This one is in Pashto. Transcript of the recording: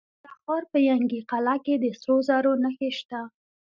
د تخار په ینګي قلعه کې د سرو زرو نښې شته.